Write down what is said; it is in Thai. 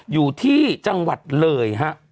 อยู่ที่จังหวัดเลยฮะ